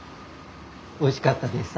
おいしかったです。